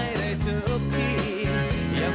สวัสดีครับ